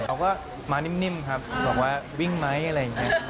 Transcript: เขาก็มานิ่มครับบอกว่าวิ่งไหมอะไรอย่างนี้